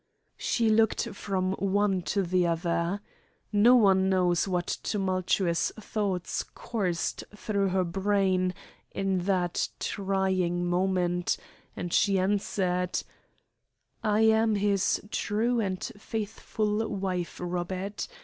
She looked from one to the other no one knows what tumultuous thoughts coursed through her brain in that trying moment and she answered: "I am his true and faithful wife, Robert.